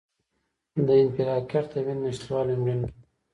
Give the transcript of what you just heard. د انفارکټ د وینې نشتوالي مړینه ده.